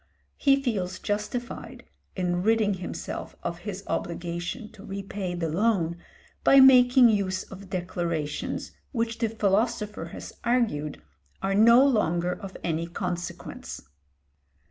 He feels justified in ridding himself of his obligation to repay the loan by making use of declarations which the philosopher has argued are no longer of any consequence.